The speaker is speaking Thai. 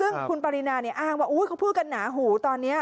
ซึ่งคุณปรินาเนี่ยอ้างว่าเขาพูดกันหนาหูตอนนี้